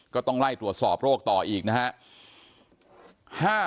ก็ต้องไล่ตรวจสอบโลกต่ออีกนะฮะ